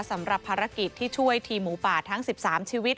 สำหรับภารกิจที่ช่วยทีมหมูป่าทั้ง๑๓ชีวิต